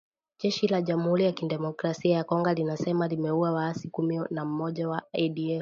Jeshi la Jamuhuri ya Kidemokrasia ya Congo linasema limeua waasi kumi na mmoja wa ADF